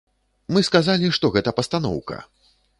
Мы сказалі, што гэта пастаноўка.